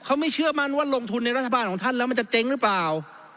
เขาไม่เชื่อมั่นว่าลงทุนในรัฐบาลของท่านแล้วมันจะเจ๊งหรือเปล่า